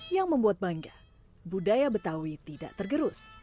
yang membuat bangga budaya betawi tidak tergerus